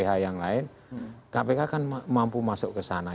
tapi yang ke empat yang lain kpk kan mampu masuk ke sana